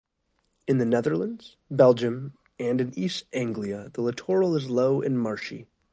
In the Netherlands, Belgium and in East Anglia the littoral is low and marshy.